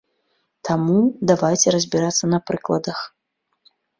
Таму, давайце разбірацца на прыкладах.